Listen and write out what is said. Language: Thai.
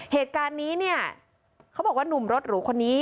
เหตุการณ์นี้เนี่ยเขาบอกว่าหนุ่มรถหรูคนนี้